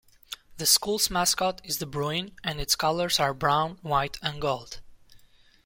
The school's mascot is the Bruin, and its colors are brown, white, and gold.